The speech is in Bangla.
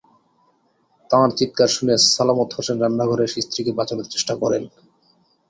তাঁর চিৎকার শুনে সালামত হোসেন রান্নাঘরে এসে স্ত্রীকে বাঁচানোর চেষ্টা করেন।